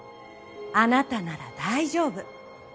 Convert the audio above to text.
あなたなら大丈夫。